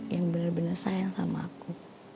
yang bener bener sayang sama aku